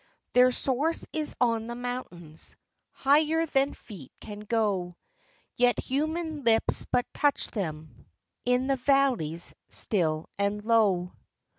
Their source is on the mountains, Higher than feet can go ; Yet human lips but touch thenv In the valleys, still and low.